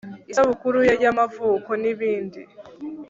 isabukuru ye y'amavuko n'ibindi